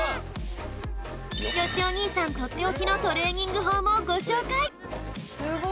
よしお兄さんとっておきのトレーニングほうもごしょうかい！